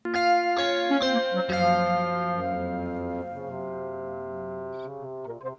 jadi aku disinatowane